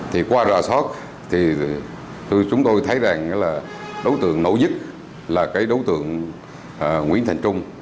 thì qua rà soát thì chúng tôi thấy rằng là đối tượng nổi dứt là cái đối tượng nguyễn thành trung